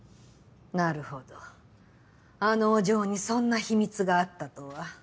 なるほどあのお嬢にそんな秘密があったとは。